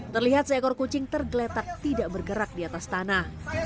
terlihat seekor kucing tergeletak tidak bergerak di atas tanah